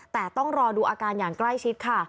แต่ต้องรอดูอาการอย่างใกล้ชิดค่ะ